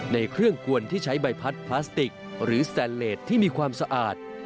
ในเครื่องกวนที่ใช้ใบพัดพลาสติกหรือสแตนเลสที่มีความสะอาด